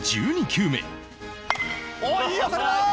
１３球目